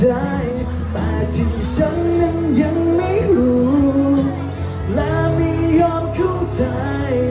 เธอจะให้ฉันทำยังไงเมื่อมันรักเธอทั้งหัวใจ